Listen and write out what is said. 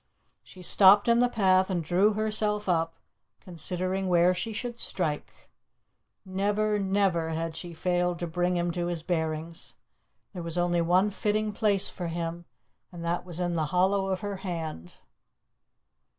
She stopped in the path and drew herself up, considering where she should strike. Never, never had she failed to bring him to his bearings. There was only one fitting place for him, and that was in the hollow of her hand.